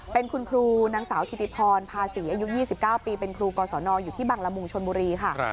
เป็นคุณครูนางสาวธิติพรภาษีอายุ๒๙ปีเป็นครูกศนอยู่ที่บังละมุงชนบุรีค่ะ